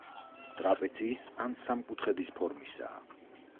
ტრაპეციის ან სამკუთხედის ფორმისაა.